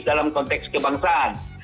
dalam konteks kebangsaan